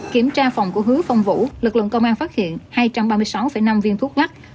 kiểm tra phòng của hứa phong vũ lực lượng công an phát hiện hai trăm ba mươi sáu năm viên thuốc lắc